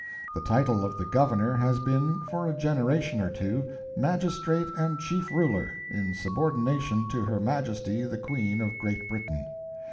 The title of the governor has been, for a generation or two, "Magistrate and Chief Ruler, in subordination to her Majesty the Queen of Great Britain."